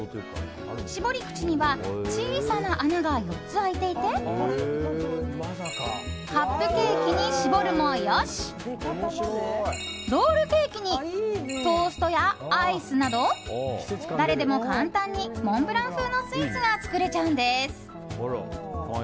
絞り口には小さな穴が４つ開いていてカップケーキに絞るもよしロールケーキにトーストやアイスなど誰でも簡単にモンブラン風のスイーツが作れちゃうんです。